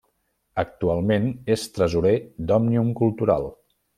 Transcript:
Actualment és tresorer d'Òmnium Cultural.